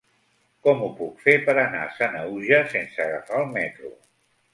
Com ho puc fer per anar a Sanaüja sense agafar el metro?